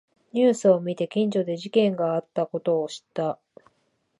ニュースを見て近所で事件があったことを知った